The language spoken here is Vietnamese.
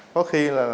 có khi là